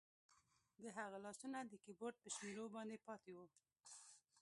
د هغه لاسونه د کیبورډ په شمیرو باندې پاتې وو